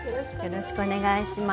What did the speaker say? よろしくお願いします。